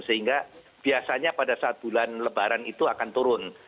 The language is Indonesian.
sehingga biasanya pada saat bulan lebaran itu akan turun